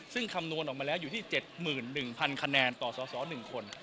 ซึ่งคำนวณออกมาแล้วอยู่ที่๗๑๐๐คะแนนต่อสส๑คน